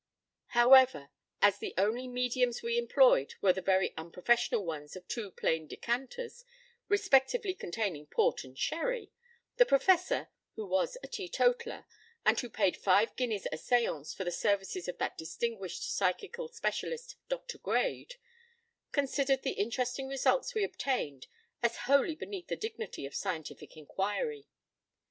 However, as the only mediums we employed were the very unprofessional ones of two plain decanters, respectively containing port and sherry, the Professor (who was a teetotaler, and who paid five guineas a séance for the services of that distinguished psychical specialist, Dr. Grade) considered the interesting results we obtained as wholly beneath the dignity of scientific inquiry.